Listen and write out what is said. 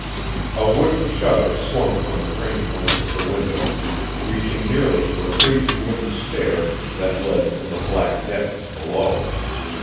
A wooden shutter swung from the frame post of the window, reaching nearly to a crazy wooden stair that led from the black depths below.